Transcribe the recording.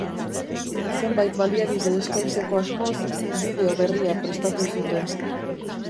Zenbait baliabide eskaintzeko asmoz, bideo berria prestatu zuten.